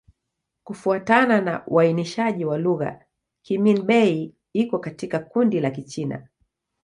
Kufuatana na uainishaji wa lugha, Kimin-Bei iko katika kundi la Kichina.